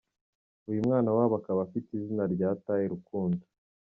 Uyu mwana wabo akaba afite izina rya Taye Rukundo.